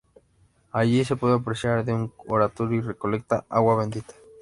Allí se puede apreciar de un oratorio y recolectar agua Bendita.